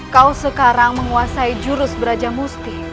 kau sekarang menguasai jurus beraja musti